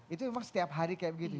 itu emang setiap hari kayak gitu